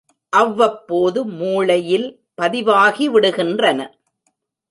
அவ்வப்போது மூளையில் பதிவாகிவிடுகின்றன.